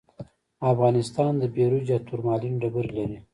افغانستان د بیروج یا تورمالین ډبرې لري.